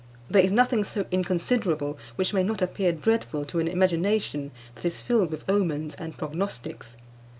There is nothing so inconsiderable which may not appear dreadful to an imagination that is filled with omens and prognostics.